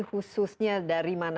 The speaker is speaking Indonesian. khususnya dari mana